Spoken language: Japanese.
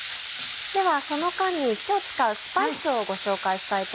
ではその間に今日使うスパイスをご紹介したいと思います。